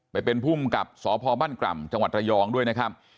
ไปเป็นภูมิกับสพบ้านกร่ำจังหวัดระยองด้วยนะครับ